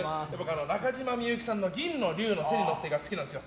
中島みゆきさんの「銀の龍の背に乗って」が好きなんです。